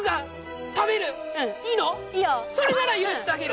それなら許してあげる。